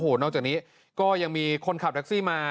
นอกจากนี้ก็ยังมีคนขับแท็กซี่มา